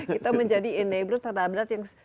kita menjadi enabler tanda abad yang